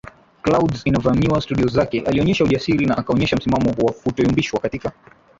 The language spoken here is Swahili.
Clouds inavamiwa studio zake alionyesha ujasiri na akaonyesha msimamo wa kutoyumbishwa katika